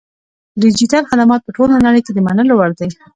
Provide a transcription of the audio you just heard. ډیجیټل خدمات په ټوله نړۍ کې د منلو وړ دي.